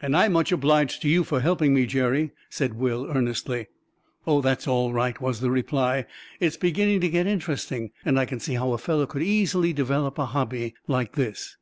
"And I'm much obliged to you for helping me, Jerry," said Will earnestly. "Oh, that's all right!" was the reply. "It's beginning to get interesting; and I can see how a fellow could easily develop a hobby like this."